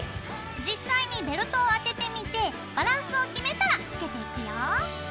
実際にベルトを当ててみてバランスを決めたらつけていくよ。